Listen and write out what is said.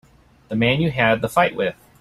The man you had the fight with.